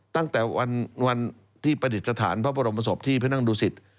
ตั้งแต่วันที่ประดิษฐานพระบรมศพที่พระนั่งดุสิต